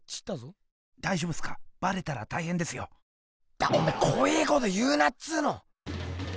だっおめぇこええこと言うなっつうの！